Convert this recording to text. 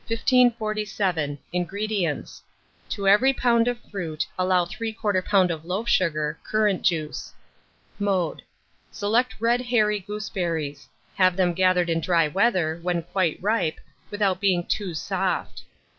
1547. INGREDIENTS. To every lb. of fruit allow 3/4 lb. of loaf sugar; currant juice. Mode. Select red hairy gooseberries; have them gathered in dry weather, when quite ripe, without being too soft.